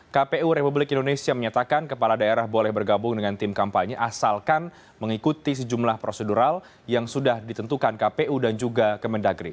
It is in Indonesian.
kpu republik indonesia menyatakan kepala daerah boleh bergabung dengan tim kampanye asalkan mengikuti sejumlah prosedural yang sudah ditentukan kpu dan juga kemendagri